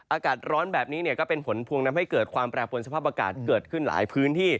อากาศร้อนแบบนี้ก็เป็นผลพวงนำให้เกิดความแปรปวนสภาพอากาศเกิดขึ้นหลายพื้นที่